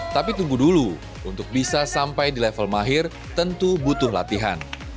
tapi tunggu dulu untuk bisa sampai di level mahir tentu butuh latihan